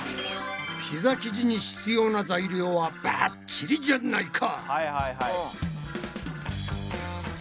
ピザ生地に必要な材料はバッチリじゃないか！